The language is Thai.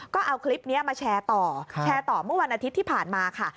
ก็เอาคลิปนี้มาแชร์ต่อแชร์ต่อเมื่อวันอาทิตย์ที่ผ่านมาค่ะ